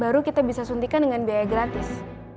baru kita bisa suntikan dengan biaya gratis